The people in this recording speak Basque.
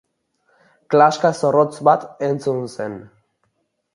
Klaska zorrotz bat entzun zen.